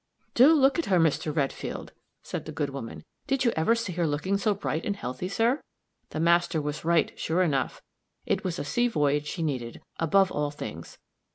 "Do look at her, Mr. Redfield," said the good woman, "did you ever see her looking so bright and healthy, sir? The master was right, sure enough it was a sea voyage she needed, above all things.